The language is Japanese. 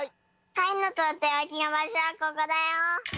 かいんのとっておきのばしょはここだよ。